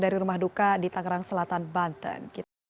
dari rumah duka di tangerang selatan banten